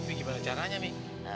tapi gimana caranya nek